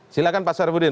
silakan pak sarifudin